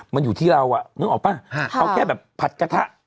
มันอยู่ที่เราอ่ะนึกออกป่ะเอาแค่แบบผัดกระทะ